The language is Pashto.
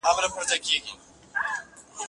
زه پرون ليکنې وکړې